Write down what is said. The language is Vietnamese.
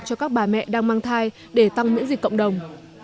cho các bà mẹ đang mang thai để tăng miễn dịch cộng đồng